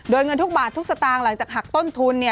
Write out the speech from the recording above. โดยเงินทุกบาททุกสตางค์หลังจากหักต้นทุน